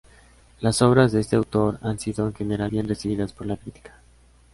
Las obras de este autor han sido en general bien recibidas por la crítica.